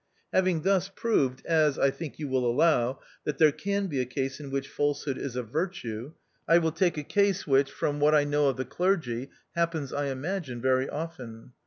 " Having thus proved, as, I think you will allow, that there can be a case in which falsehood is a virtue, I will take a case which, from what I know of the clergy, happens, I imagine, very often.